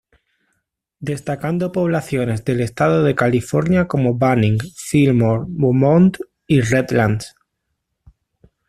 Destacando poblaciones del estado de California como Banning, Fillmore, Beaumont y Redlands.